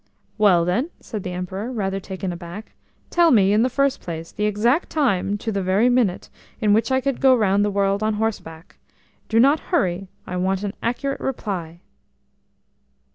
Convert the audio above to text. "Well, then," said the Emperor, rather taken aback, "tell me, in the first place, the exact time, to the very minute, in which I could go round the world on horseback. Do not hurry–I want an accurate reply."